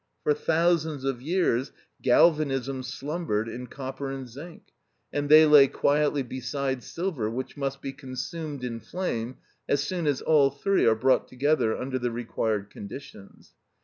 For thousands of years galvanism slumbered in copper and zinc, and they lay quietly beside silver, which must be consumed in flame as soon as all three are brought together under the required conditions.